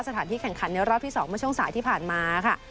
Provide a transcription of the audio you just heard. สถานที่แข่งขันในรอบที่๒เมื่อช่วงสายที่ผ่านมาค่ะ